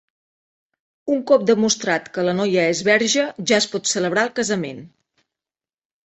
Un cop demostrat que la noia és verge ja es pot celebrar el casament.